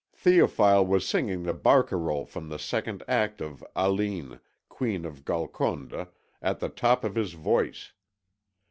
Théophile was singing the barcarole from the second act of Aline, Queen of Golconda at the top of his voice.